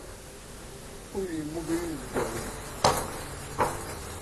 Ur yemmuger inebgawen.